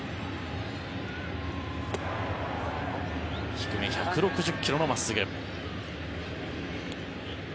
低め、１６０ｋｍの真っすぐ。